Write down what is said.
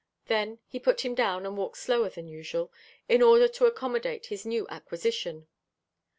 Then he put him down, and walked slower than usual, in order to accommodate his new acquisition.